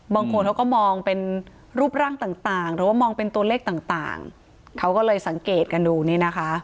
บางคนเขาก็มองเป็นรูปร่างต่างหรือว่ามองเป็นตัวเลขต่างเขาก็เลยสังเกตกันดูนี่นะคะ